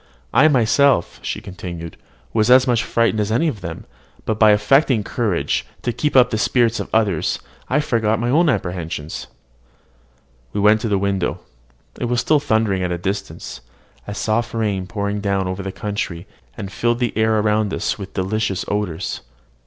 "I myself," she continued, "was as much frightened as any of them; but by affecting courage, to keep up the spirits of the others, I forgot my apprehensions." We went to the window. It was still thundering at a distance: a soft rain was pouring down over the country, and filled the air around us with delicious odours.